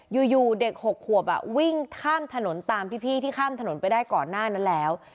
อยู่เด็ก๖ขวบวิ่งข้ามถนนตามพี่ที่ข้ามถนนไปได้ก่อนหน้านั้นแล้ว